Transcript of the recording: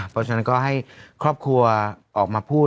เพราะฉะนั้นก็ให้ครอบครัวออกมาพูด